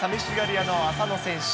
屋の浅野選手。